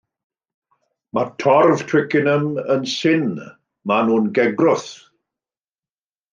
Mae torf Twickenham yn syn, maen nhw'n gegrwth.